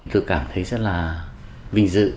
tôi cảm thấy rất là vinh dự